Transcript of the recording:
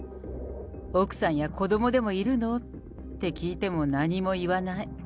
奥さんや子どもでもいるの？って聞いても何も言わない。